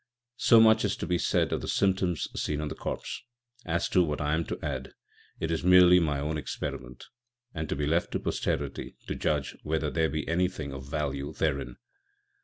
"So much is to be said of the Symptoms seen on the Corpse. As to what I am to add, it is meerly my own Experiment, and to be left to Posterity to judge whether there be anything of Value therein.